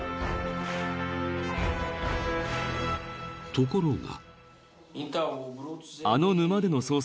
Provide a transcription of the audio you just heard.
［ところが］